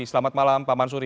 selamat malam pak mansuri